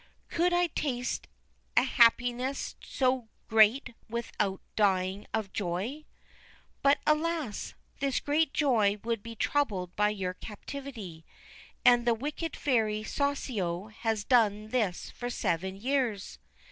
'Could I taste a happiness so great without dying of joy? But, alas I this great joy would be troubled by your captivity, and the wicked fairy Soussio has done this for seven years.'